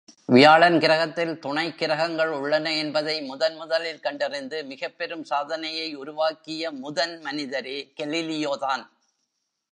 வியாழன் கிரகத்தில் துணை கிரகங்கள் உள்ளன என்பதை முதன்முதலில் கண்டறிந்து மிகப்பெரும் சாதனையை உருவாக்கிய முதன் மனிதரே கலீலியோதான்!